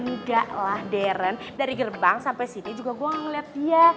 enggaklah deren dari gerbang sampe sini juga gue gak ngeliat dia